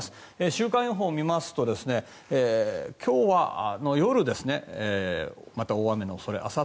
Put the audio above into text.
週間予報を見ますと今日の夜また大雨の恐れ。